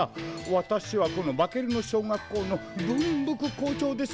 私はこのバケルノ小学校のブンブク校長です